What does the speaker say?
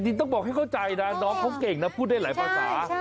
ต้องบอกให้เข้าใจนะน้องเขาเก่งนะพูดได้หลายภาษา